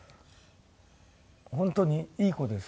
本当にいい子です。